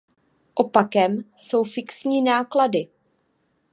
Opakem jsou fixní náklady.